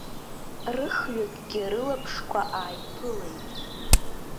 Рыхҩыкгьы рылаԥшқәа ааиԥылеит.